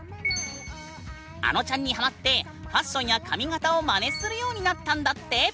あのちゃんにハマってファッションや髪形をまねするようになったんだって！